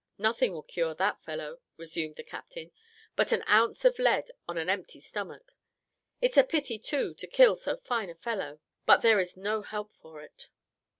"Nothing will cure that fellow," resumed the captain, "but an ounce of lead on an empty stomach it's a pity, too, to kill so fine a fellow but there is no help for it."